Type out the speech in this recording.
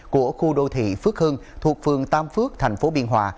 của khu đô thị phước hưng thuộc phường tam phước thành phố biên hòa